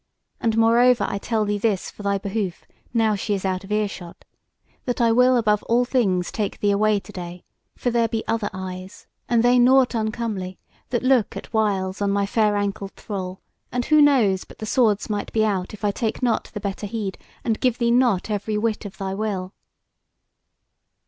And moreover I tell thee this for thy behoof now she is out of ear shot, that I will above all things take thee away to day: for there be other eyes, and they nought uncomely, that look at whiles on my fair ankled thrall; and who knows but the swords might be out if I take not the better heed, and give thee not every whit of thy will."